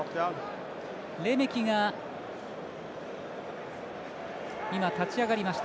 レメキが今、立ち上がりました。